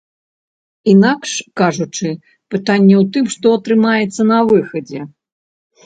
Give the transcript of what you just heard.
Інакш кажучы, пытанне ў тым, што атрымаецца на выхадзе.